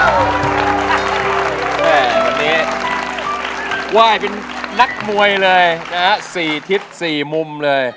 แม่วันนี้ว่ายเป็นนักมวยเลยสี่ทิศสี่มุมเลย